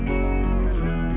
kami sudah digitalisasi